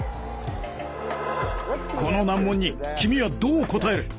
この難問に君はどう答える。